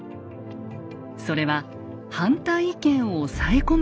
それは反対意見を押さえ込むこと。